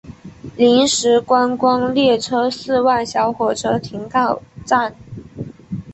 临时观光列车四万小火车停靠站。